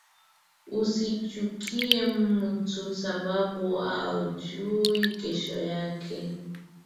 Usi chukie mutu sababu aujuwi kesho yake